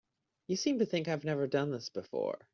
You seem to think I've never done this before.